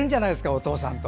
お父さんと。